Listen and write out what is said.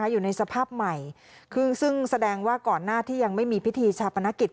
อยู่ในสภาพใหม่ซึ่งแสดงว่าก่อนหน้าที่ยังไม่มีพิธีชาปนกิจ